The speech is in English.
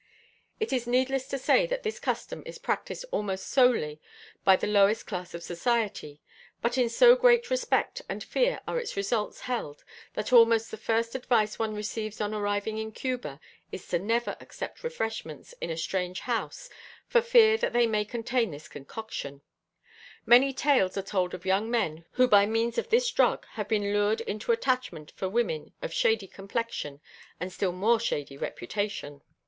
It is needless to say that this custom is practiced almost solely by the lowest class of society, but in so great respect and fear are its results held that almost the first advice one receives on arriving in Cuba, is to never accept refreshments in a strange house, for fear that they may contain this concoction; many tales are told of young men who by means of this drug have been lured into attachment for women of shady complexion and still more shady reputation.